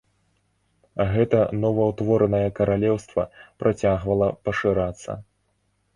Гэта новаўтворанае каралеўства працягвала пашырацца.